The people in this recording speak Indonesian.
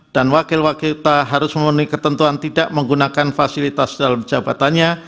dan wakil wakil kita harus memenuhi ketentuan tidak menggunakan fasilitas dalam jabatannya